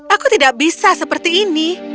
aku tidak bisa seperti ini